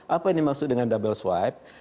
apa ini maksud dengan double swipe